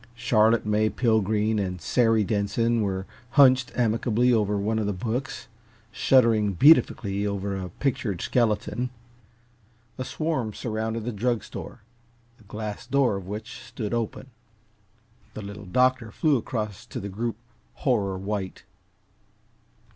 Charlotte May Pilgreen and Sary Denson were hunched amicably over one of the books, shuddering beatifically over a pictured skeleton. A swarm surrounded the drug store, the glass door of which stood open. The Little Doctor flew across to the group, horror white.